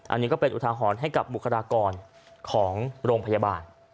อันนี้ก็เป็นอุทาหรณ์ให้กับบุคลากรของโรงพยาบาล